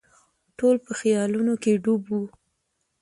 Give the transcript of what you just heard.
ټول په خیالونو کې ډوب وو.